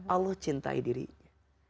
allah cintai dirinya